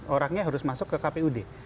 orangnya harus masuk ke kpud